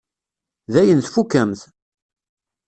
Dayen tfukkemt?